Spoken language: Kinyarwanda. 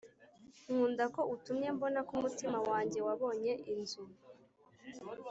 nkunda ko utumye mbona ko umutima wanjye wabonye inzu.